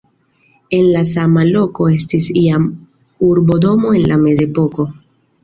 En la sama loko estis jam urbodomo en la mezepoko.